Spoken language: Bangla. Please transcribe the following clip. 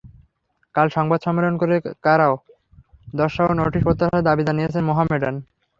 কাল সংবাদ সম্মেলন করে কারণ দর্শাও নোটিশ প্রত্যাহারের দাবি জানিয়েছে মোহামেডান।